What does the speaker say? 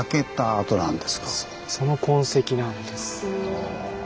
そのその痕跡なんです。